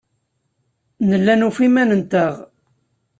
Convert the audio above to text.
Nella nufa iman-nteɣ.